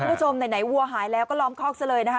คุณผู้ชมไหนวัวหายแล้วก็ล้อมคอกซะเลยนะคะ